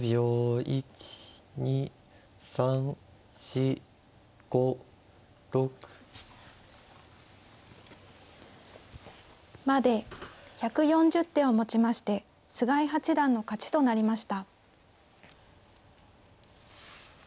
１２３４５６。まで１４０手をもちまして菅井八段の勝ちとなりました。